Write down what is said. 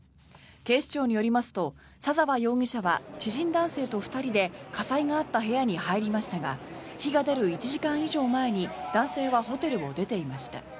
警視庁によりますと佐澤容疑者は、知人男性と２人で火災があった部屋に入りましたが火が出る１時間以上前に男性はホテルを出ていました。